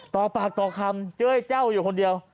ต่อปากต่อคำเจ๊เจ้าอยู่คนเดียว